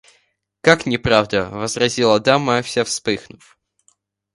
– Как неправда! – возразила дама, вся вспыхнув.